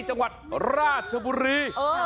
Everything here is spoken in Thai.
จังหวัดราชบุรี